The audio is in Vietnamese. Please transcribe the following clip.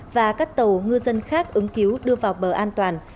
và các tàu ngư dân khác ứng cứu đưa vào bờ an toàn